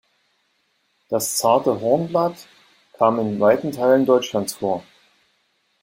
Das Zarte Hornblatt kam in weiten Teilen Deutschlands vor.